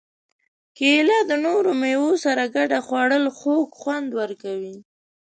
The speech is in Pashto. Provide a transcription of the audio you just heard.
کېله د نورو مېوو سره ګډه خوړل خوږ خوند ورکوي.